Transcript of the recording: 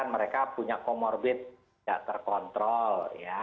mereka punya comorbid tidak terkontrol